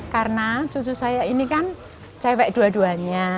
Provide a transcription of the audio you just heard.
karena cucu saya ini kan cewek dua duanya